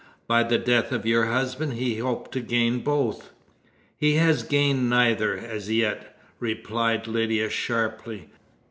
By the death of your husband he hoped to gain both." "He has gained neither, as yet," replied Lydia sharply.